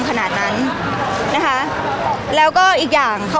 พี่ตอบได้แค่นี้จริงค่ะ